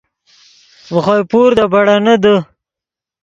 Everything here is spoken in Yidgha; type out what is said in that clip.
ڤے خوئے پور دے بیڑینے دے